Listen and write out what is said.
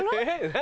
何？